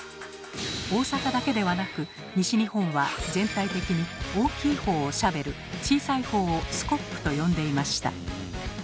大阪だけではなく西日本は全体的に大きい方をシャベル小さい方をスコップと呼んでいました。